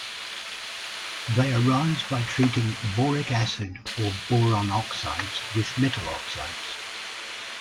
They arise by treating boric acid or boron oxides with metal oxides.